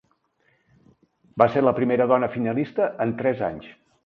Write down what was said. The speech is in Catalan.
Va ser la primera dona finalista en tres anys.